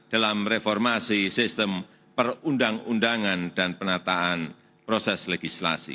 dalam reformasi sistem perundang undangan dan penataan proses legislasi